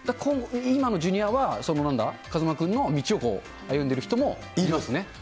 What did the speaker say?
今のジュニアは、その、なんだ、風間君の道を歩んでる人も今すね。